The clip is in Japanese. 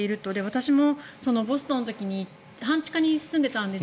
私もボストンの時に半地下に住んでいたんです。